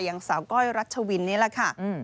อย่างสาวก้อยรัชวินนี่แหละค่ะ